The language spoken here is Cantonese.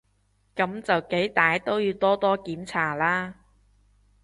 噉就幾歹都要多多檢查啦